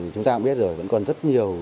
chúng ta cũng biết rồi vẫn còn rất nhiều